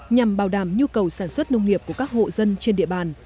nhằm bảo đảm nhu cầu sản xuất nông nghiệp của các hộ dân trên địa bàn